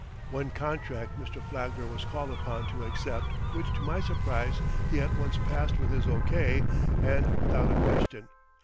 One contract Mr. Flagler was called upon to accept which to my surprise he at once passed with his O.K. and without a question.